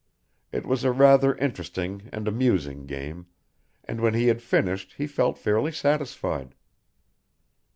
It was a rather interesting and amusing game, and when he had finished he felt fairly satisfied.